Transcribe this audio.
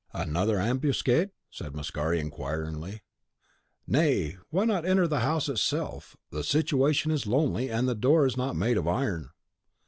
"Another ambuscade?" said Mascari, inquiringly. "Nay, why not enter the house itself? the situation is lonely, and the door is not made of iron."